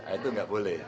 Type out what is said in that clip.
itu nggak boleh